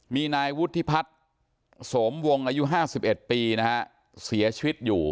มีนายวุฒิพัฒน์สมวงอายุ๕๑ปีนะฮะเสียชีวิตอยู่